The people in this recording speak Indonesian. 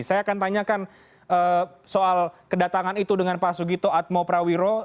saya akan tanyakan soal kedatangan itu dengan pak sugito atmo prawiro